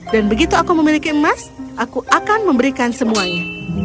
dan begitu aku memiliki emas aku akan memberikan semuanya